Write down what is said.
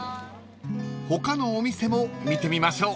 ［他のお店も見てみましょう］